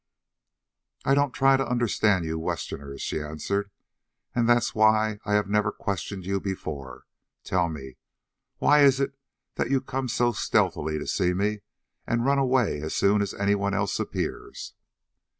"I don't try to understand you Westerners," she answered, "and that's why I have never questioned you before. Tell me, why is it that you come so stealthily to see me and run away as soon as anyone else appears?"